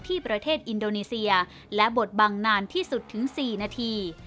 ที่ประเทศอินโดนีเซียและบทบังนานที่สุดถึง๔นาที